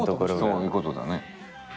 そういうことだね。